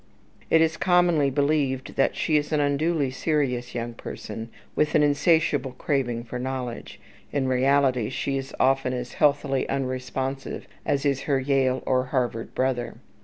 It is commonly believed that she is an unduly serious young person with an insatiable craving for knowledge; in reality she is often as healthily unresponsive as is her Yale or Harvard brother.